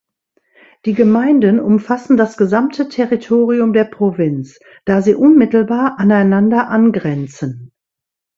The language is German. Die Gemeinden umfassen das gesamte Territorium der Provinz, da sie unmittelbar aneinander angrenzen.